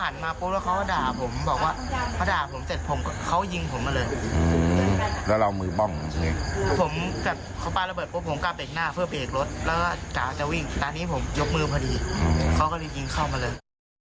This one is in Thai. แล้วก็กล่าวจะวิ่งตอนนี้ผมยกมือพอดีเขาก็เลยยิงเข้ามาเลย